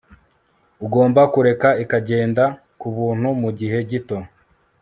ugomba kureka ikagenda kubuntu mugihe gito